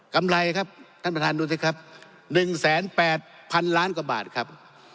กำไรครับท่านประธานดูสิครับหนึ่งแสนแปดพันล้านกว่าบาทครับ